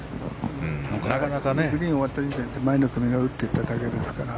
グリーンが終わった時点で前の組が打っていっただけですから。